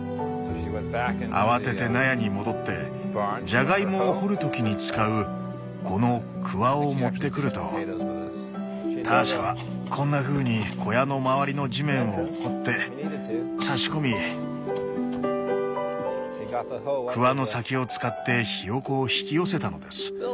慌てて納屋に戻ってじゃがいもを掘るときに使うこのクワを持ってくるとターシャはこんなふうに小屋の周りの地面を掘って差し込みクワの先を使ってヒヨコを引き寄せたのです。